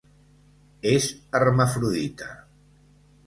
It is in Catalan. És hermafrodita.